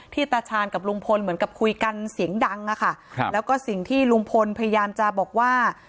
ตาชาญกับลุงพลเหมือนกับคุยกันเสียงดังอะค่ะครับแล้วก็สิ่งที่ลุงพลพยายามจะบอกว่า